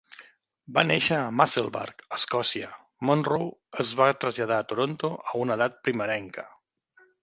Va néixer a Musselburgh, Escòcia, Munro es va traslladar a Toronto a una edat primerenca.